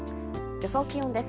予想気温です。